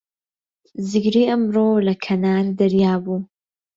زیری ئەمڕۆ لە کەنار دەریا بوو.